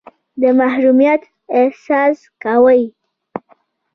د محرومیت احساس کوئ.